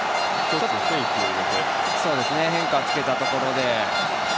変化をつけたところで。